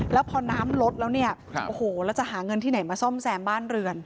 แล้วพอน้ำลดแล้วเนี่ยโอ้โหแล้วจะหาเงินที่ไหนมาซ่อมแซมบ้านเรือน